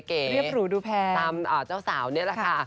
เรียบหรูดูแพงตามเจ้าสาวนี่แหละค่ะ